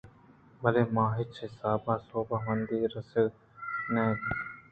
بلئے من ءَ ہچ حساب ءَ سوب مندی رسگ ءَ نہ اِنت